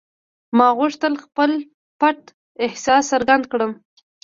ما غوښتل خپل پټ احساس څرګند کړم